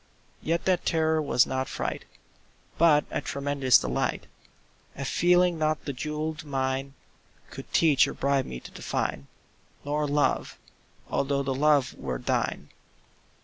Yet that terror was not fright, But a tremulous delight— A feeling not the jewelled mine Could teach or bribe me to define— Nor Love—although the Love were thine.